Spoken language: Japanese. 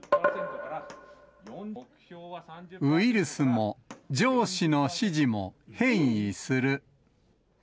ウイルスも、上司の指示も変異する。